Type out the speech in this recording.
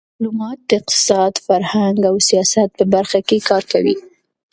ډيپلومات د اقتصاد، فرهنګ او سیاست په برخه کې کار کوي.